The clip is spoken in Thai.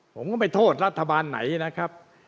ผมก็ไม่โทษรัฐบาลไหนนะครับ